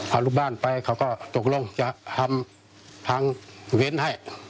เอาลูกบ้านไปเขาก็ตกลงจะทำทางเว้นให้